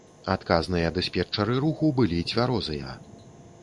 Адказныя дыспетчары руху былі цвярозыя.